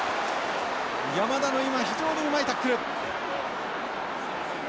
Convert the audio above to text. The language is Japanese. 山田の今非常にうまいタックル。